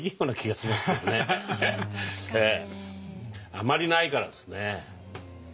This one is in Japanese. あまりないからですね。